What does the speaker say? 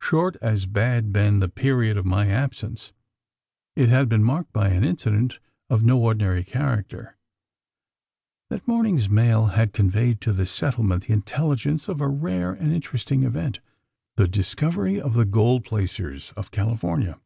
Short as bad been the period of my absence, it had been marked by an incident of no ordinary character. That morning's mail had conveyed to the settlement the intelligence of a rare and interesting event the discovery of the gold placers of California.